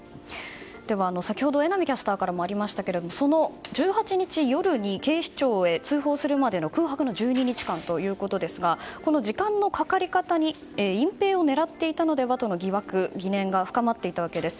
では、先ほど榎並キャスターからもありましたがその１８日夜に警視庁へ通報するまでの空白の１２日間ということですがこの時間のかかり方に隠蔽を狙っていたのではという疑惑・疑念が深まっていたわけです。